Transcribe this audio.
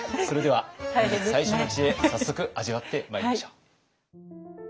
それでは本日最初の知恵早速味わってまいりましょう。